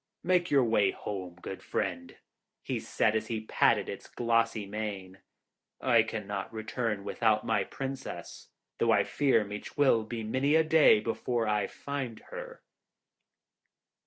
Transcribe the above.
'Make your way home, good friend,' he said, as he patted its glossy mane. 'I cannot return without my Princess, though I fear me 'twill be many a day before I find her.'